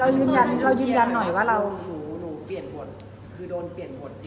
ยืนยันเรายืนยันหน่อยว่าเราหนูเปลี่ยนบทคือโดนเปลี่ยนบทจริง